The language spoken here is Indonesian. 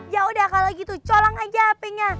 ya udah kalau gitu colong aja hp nya